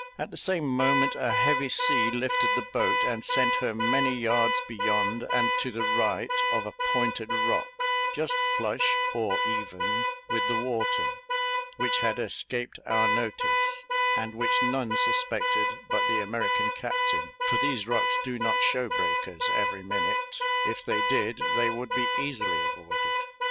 At the same moment, a heavy sea lifted the boat, and sent her many yards beyond, and to the right of a pointed rock, just flush or even with the water, which had escaped our notice, and which none suspected but the American captain (for these rocks do not show breakers every minute, if they did they would be easily avoided).